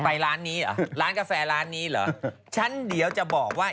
ร้านนี้เหรอร้านกาแฟร้านนี้เหรอฉันเดี๋ยวจะบอกว่า